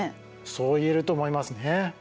そう言えると思いますね。